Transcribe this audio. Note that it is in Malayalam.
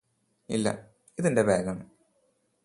ഇല്ലാ ഇതെന്റെ ബാഗാണ്